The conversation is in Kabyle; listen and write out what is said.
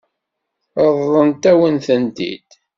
Ṛeḍlent-awen-tent-id?